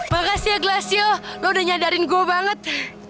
makasih ya glassio lo udah nyadarin gue banget